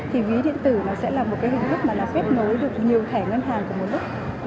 thì ví điện tử sẽ là một hình thức kết nối được nhiều thẻ ngân hàng cùng một lúc